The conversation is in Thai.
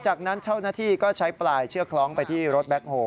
จากนั้นเจ้าหน้าที่ก็ใช้ปลายเชือกคล้องไปที่รถแบ็คโฮล